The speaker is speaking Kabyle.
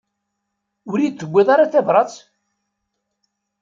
Ur yi-d-tewwiḍ ara tebrat?